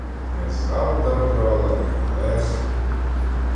Мезап дав драла і Галес.